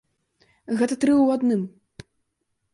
Гэта тры ў адным.